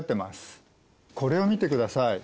これを見てください。